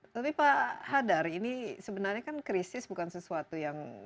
tapi pak hadar ini sebenarnya kan krisis bukan sesuatu yang